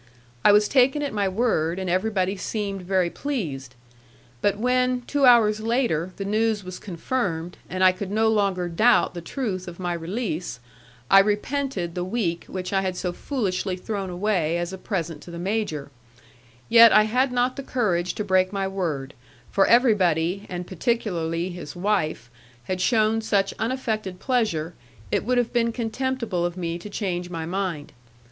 I was taken at my word, and everybody seemed very pleased. But when, two hours later, the news was confirmed, and I could no longer doubt the truth of my release, I repented the week which I had so foolishly thrown away as a present to the major; yet I had not the courage to break my word, for everybody, and particularly his wife, had shown such unaffected pleasure, it would have been contemptible of me to change my mind.